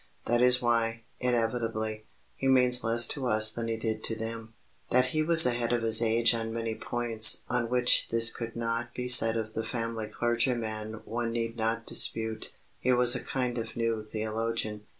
That is why, inevitably, he means less to us than he did to them. That he was ahead of his age on many points on which this could not be said of the family clergyman one need not dispute. He was a kind of "new theologian."